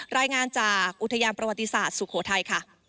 รายงานจากอุทยานประวัติศาสตร์สุโขทัยค่ะ